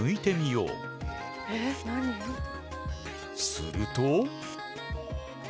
すると。